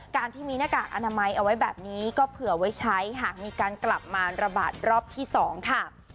การที่มีหน้ากากอนามัยเอาไว้แบบนี้ก็เผื่อไว้ใช้หากมีการกลับมาระบาดรอบที่๒ค่ะ